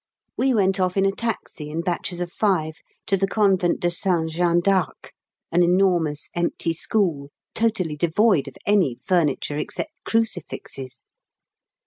We went off in a taxi in batches of five to the Convent de St Jeanne d'Arc, an enormous empty school, totally devoid of any furniture except crucifixes!